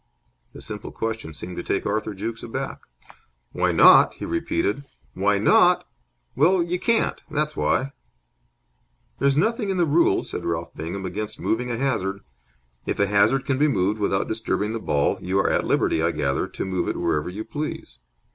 The simple question seemed to take Arthur Jukes aback. "Why not?" he repeated. "Why not? Well, you can't. That's why." "There is nothing in the rules," said Ralph Bingham, "against moving a hazard. If a hazard can be moved without disturbing the ball, you are at liberty, I gather, to move it wherever you please.